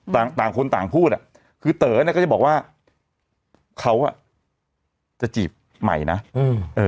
ต่างต่างคนต่างพูดอ่ะคือเต๋อเนี้ยก็จะบอกว่าเขาอ่ะจะจีบใหม่นะอืมเออ